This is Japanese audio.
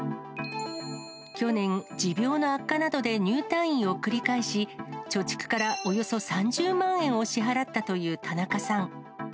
去年、持病の悪化などで入退院を繰り返し、貯蓄からおよそ３０万円を支払ったという田中さん。